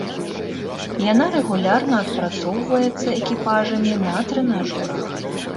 Яна рэгулярна адпрацоўваецца экіпажамі на трэнажорах.